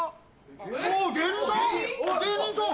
・芸人さん？